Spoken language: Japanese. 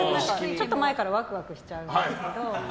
ちょっと前からワクワクしちゃうんですけど。